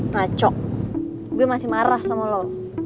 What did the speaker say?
ngacok gue masih marah sama lo